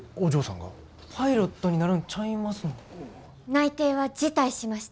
内定は辞退しました。